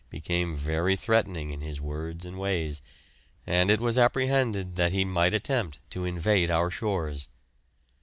became very threatening in his words and ways, and it was apprehended that he might attempt to invade our shores.